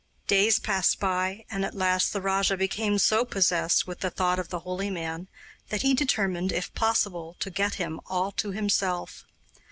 Days passed by, and at last the rajah became so possessed with the thought of the holy man that he determined if possible to get him all to himself.